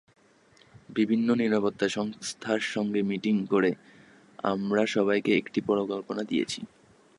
বিভিন্ন নিরাপত্তা সংস্থার সঙ্গে মিটিং করে আমরা সবাইকে একটা পরিকল্পনা দিয়েছি।